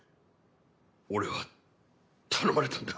俺は頼まれたんだ。